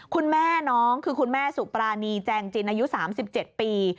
คุณแม่น้องคือคุณแม่สุปรานีแจงจินอายุ๓๗ปี